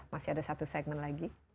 masih ada satu segmen lagi